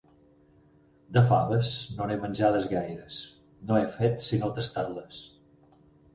De faves, no n'he menjades gaires: no he fet sinó tastar-les.